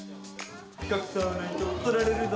隠さないと取られるぞ！